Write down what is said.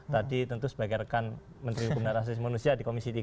tadi tentu sebagai rekan menteri hukum dan asis manusia di komisi tiga